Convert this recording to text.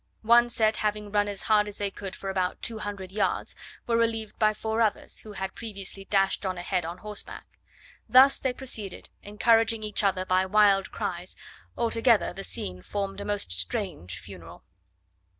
One set having run as hard as they could for about two hundred yards, were relieved by four others, who had previously dashed on ahead on horseback. Thus they proceeded, encouraging each other by wild cries: altogether the scene formed a most strange funeral.